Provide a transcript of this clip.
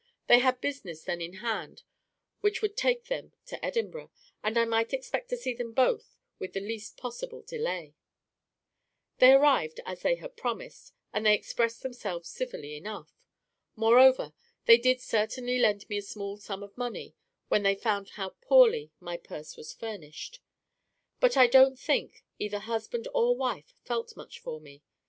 They had business then in hand which would take them to Edinburgh, and I might expect to see them both with the least possible delay. "They arrived, as they had promised, and they expressed themselves civilly enough. Moreover, they did certainly lend me a small sum of money when they found how poorly my purse was furnished. But I don't think either husband or wife felt much for me.